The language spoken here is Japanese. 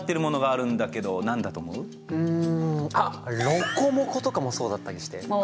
ロコモコとかもそうだったりして。